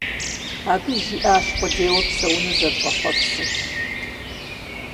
Абы жиӀащ къулейуэ псэуну зэрыщӀэхъуэпсыр.